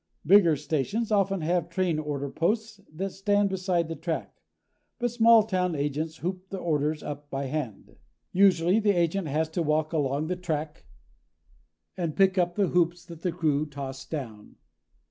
Bigger stations often have train order posts that stand beside the track, but small town agents hoop the orders up by hand. Usually the agent has to walk along the track and pick up hoops that the crew toss down.